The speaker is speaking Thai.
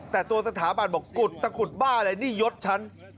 แต่ตัวสถาบันบอกกุดตะกุดบ้าเลยนี่ยศฉัน